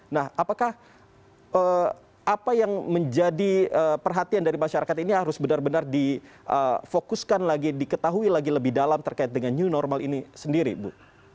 nah apakah apa yang menjadi perhatian dari masyarakat ini harus benar benar difokuskan lagi diketahui lagi lebih dalam terkait dengan new normal ini sendiri bu